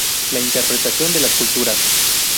La interpretación de las culturas.